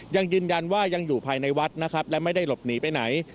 ยังยืนยันว่ายังอยู่ภายในวัดนะครับและไม่ได้หลบหนีไปไหน